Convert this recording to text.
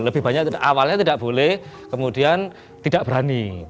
lebih banyak awalnya tidak boleh kemudian tidak berani